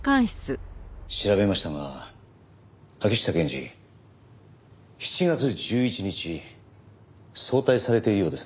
調べましたが秋下検事７月１１日早退されているようですね。